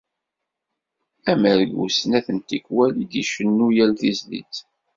Amergu snat n tikwal i d-icennu yal tizlit.